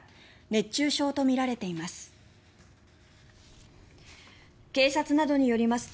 熱中症とみられています。